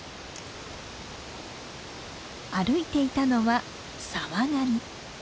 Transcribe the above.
歩いていたのはサワガニ。